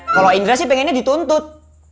kalau indra sih pengennya dituntut